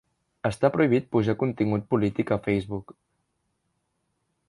Està prohibit pujar contingut polític a Facebook